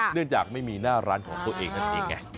เนื่องจากไม่มีหน้าร้านของตัวเองนั่นเองไง